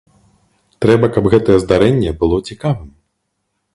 Трэба, каб гэтае здарэнне было цікавым.